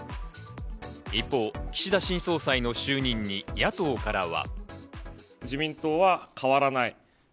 一方、岸田新総裁の就任に野党からは。